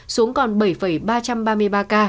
xuống còn bảy ba trăm ba mươi ba ca